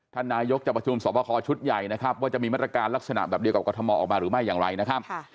นายกจะประชุมสอบคอชุดใหญ่นะครับว่าจะมีมาตรการลักษณะแบบเดียวกับกรทมออกมาหรือไม่อย่างไรนะครับ